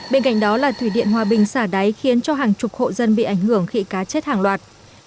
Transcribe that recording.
bên cạnh đó là thủy điện hòa bình xả đáy khiến cho hàng chục hộ dân bị ảnh hưởng khi cá chết hàng loạt